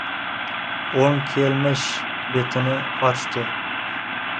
O‘ng kelmish betini ochdi.